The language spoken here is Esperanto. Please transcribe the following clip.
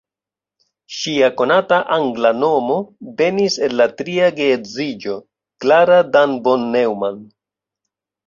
Ŝia konata angla nomo venis el la tria geedziĝo: "Klara Dan von Neumann".